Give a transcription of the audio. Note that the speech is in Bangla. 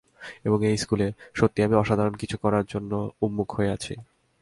এবং এই স্কুলে, সত্যিই আমি অসাধারণ কিছু করার জন্য, উন্মুখ হয়ে আছি।